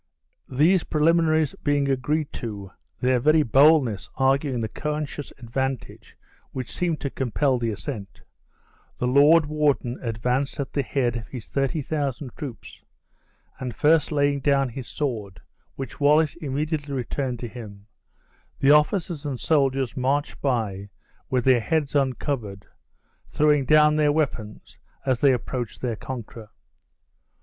These preliminaries being agreed to (their very boldness arguing the conscious advantage which seemed to compel the assent), the lord warden advanced at the head of his thirty thousand troops; and first laying down his sword, which Wallace immediately returned to him, the officers and soldiers marched by with their heads uncovered, throwing down their weapons as they approached their conqueror.